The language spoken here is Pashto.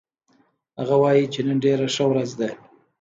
هغه وایي چې نن ډېره ښه ورځ ده